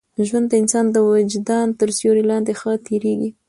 ژوند د انسان د وجدان تر سیوري لاندي ښه تېرېږي.